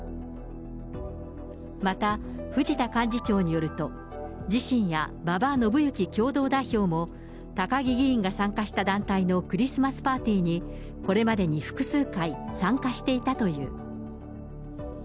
また藤田幹事長によると、自身や馬場伸幸共同代表も、高木議員が参加した団体のクリスマスパーティーに、これまでに複数回参加していたという。